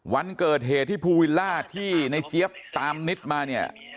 วันเกิดเหตุที่ภูวิลล่าที่ในเจี๊ยบตามนิดมาเนี่ย